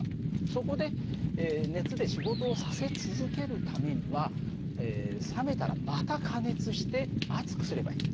そこで熱で仕事をさせ続けるためには冷めたらまた加熱して熱くすればいい。